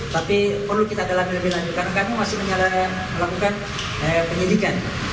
tapi perlu kita dalami lebih lanjut karena kami masih melakukan penyelidikan